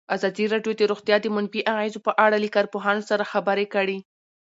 ازادي راډیو د روغتیا د منفي اغېزو په اړه له کارپوهانو سره خبرې کړي.